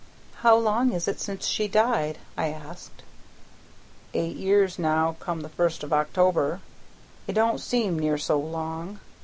"How long is it since she died?" I asked. "Eight year now, come the first of October. It don't seem near so long.